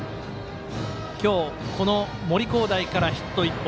今日、この森煌誠からヒット１本。